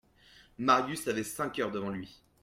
Marius avait cinq heures devant lui.